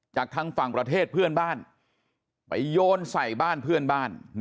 จากทางฝั่งประเทศเพื่อนบ้านไปโยนใส่บ้านเพื่อนบ้าน